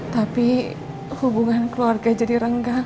tapi hubungan keluarga jadi rendah